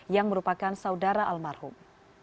yang merupakan saudara almarhum